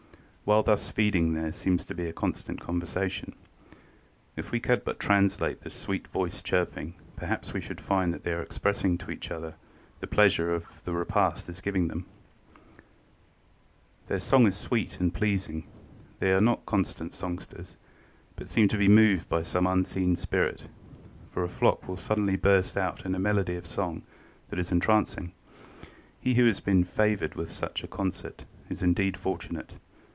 While thus feeding there seems to be a constant conversation. If we could but translate this sweet voiced chirping perhaps we should find that they are expressing to each other the pleasure that the repast is giving them. [Illustration: TREE SPARROW. (Spizella monticola). About Life size. FROM COL. CHI. ACAD. SCIENCES.] Their song is sweet and pleasing. They are not constant songsters, but seem to be moved by some unseen spirit, for a flock will suddenly burst out in a melody of song that is entrancing. He who has been favored with such a concert is indeed fortunate.